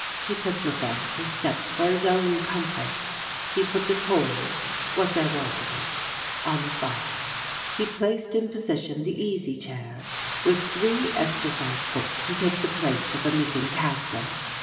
He took methodical steps for his own comfort. He put the coal (what there was of it) on the fire. He placed in position the easy chair, with three exercise books to take the place of a missing castor.